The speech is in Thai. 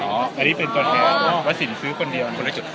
เอ้าอันนี้เป็นตัวแทนวัสินซื้าคนเดียว